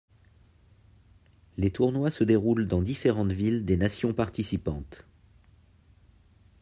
Les tournois se déroulent dans différentes villes des nations participantes.